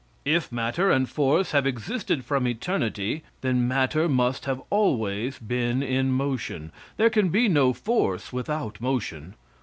If matter and force have existed from eternity, then matter must have always been in motion. There can be no force without motion.